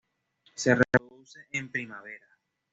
Se reproduce en primavera.